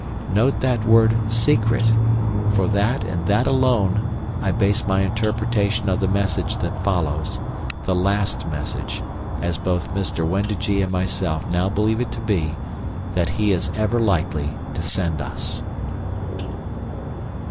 Note that word "secret," for on that, and that alone, I base my interpretation of the message that follows, the last message, as both Mr. Wendigee and myself now believe it to be, that he is ever likely to send us.